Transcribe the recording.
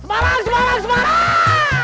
semarang semarang semarang